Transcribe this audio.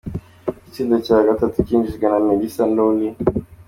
Igitsindo ca gatatu cinjijwe na Melissa Lawley.